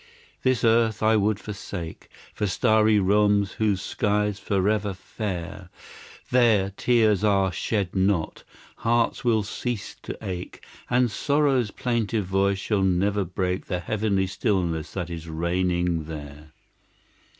This earth I would forsake For starry realms whose sky's forever fair; There, tears are shed not, hearts will cease to ache, And sorrow's plaintive voice shall never break The heavenly stillness that is reigning there.